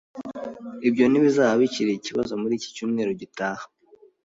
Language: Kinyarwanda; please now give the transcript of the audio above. Ibyo ntibizaba bikiri ikibazo muri iki cyumweru gitaha